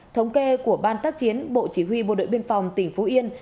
thống kê của ban tác chiến bộ chỉ huy bộ đội biên phòng tỉnh phú yên